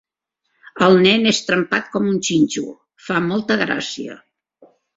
El nen és trempat com un gínjol: fa molta gràcia.